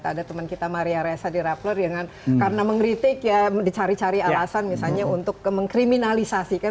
ada teman kita maria reza di rapler yang karena mengkritik ya dicari cari alasan misalnya untuk mengkriminalisasikan